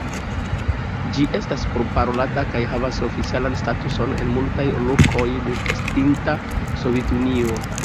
Ĝi estas parolata kaj havas oficialan statuson en multaj lokoj de estinta Sovetunio.